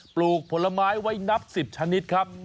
ปลูกผลไม้ไว้นับ๑๐ชนิดครับ